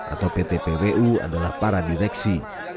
atau pt pwu adalah para direksi